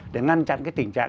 để ngăn chặn cái tình trạng